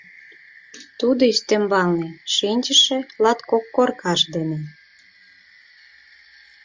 Тудо ӱстембалне шинчыше латкок коркаж дене